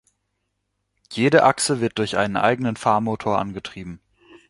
Jede Achse wird durch einen eigenen Fahrmotor angetrieben.